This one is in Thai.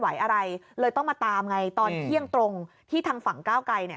อะไรเลยต้องมาตามไงตอนเที่ยงตรงที่ทางฝั่งก้าวไกลเนี่ย